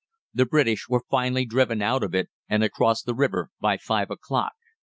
The British were finally driven out of it, and across the river by five o'clock.